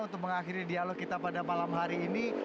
untuk mengakhiri dialog kita pada malam hari ini